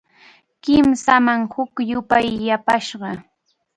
Kimsaman huk yupay yapasqa.